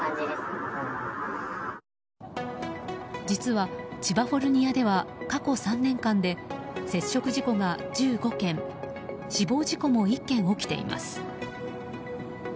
実は千葉フォルニアでは過去３年間で接触事故が１５件死亡事故も１件起きています。